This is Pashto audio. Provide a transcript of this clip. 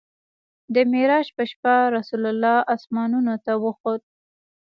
د معراج په شپه رسول الله اسمانونو ته وخوت.